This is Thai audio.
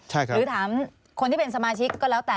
หรือถามคนที่เป็นสมาชิกก็แล้วแต่